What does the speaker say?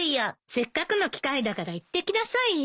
せっかくの機会だから行ってきなさいよ。